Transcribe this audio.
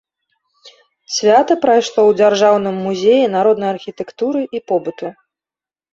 Свята прайшло ў дзяржаўным музеі народнай архітэктуры і побыту.